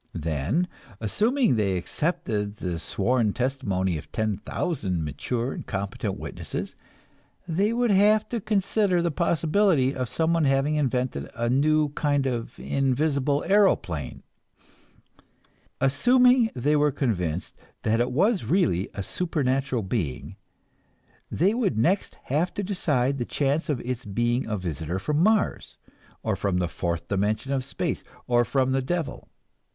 Then, assuming they accepted the sworn testimony of ten thousand mature and competent witnesses, they would have to consider the possibility of someone having invented a new kind of invisible aeroplane. Assuming they were convinced that it was really a supernatural being, they would next have to decide the chances of its being a visitor from Mars, or from the fourth dimension of space, or from the devil.